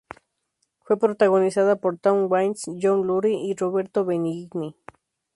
Fue protagonizada por Tom Waits, John Lurie y Roberto Benigni.